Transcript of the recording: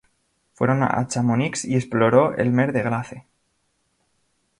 Fueron a Chamonix y exploró el Mer de Glace.